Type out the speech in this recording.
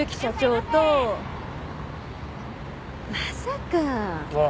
まさかぁ。